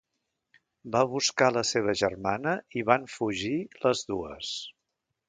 Va buscar la seva germana i van fugir les dues.